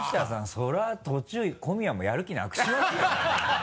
それは途中小宮もやる気なくしますよ。